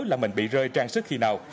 là mình bị rơi trang sức khi nào